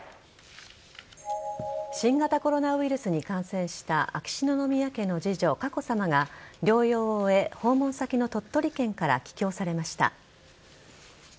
新型コロナウイルスに感染した秋篠宮家の次女・佳子さまが療養を終え訪問先の鳥取県から帰京されました。